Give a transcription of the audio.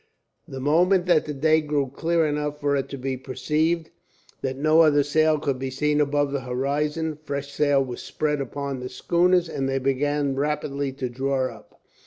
The moment that the day grew clear enough for it to be perceived that no other sail could be seen above the horizon, fresh sail was spread upon the schooners, and they began rapidly to draw up.